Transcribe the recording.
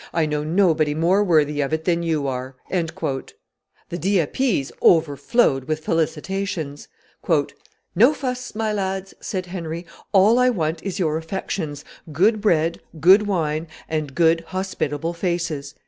"I know nobody more worthy of it than you are!" The Dieppese overflowed with felicitations. "No fuss, my lads," said Henry: "all I want is your affections, good bread, good wine, and good hospitable faces."